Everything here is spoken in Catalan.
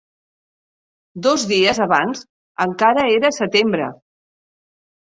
Dos dies abans encara era setembre.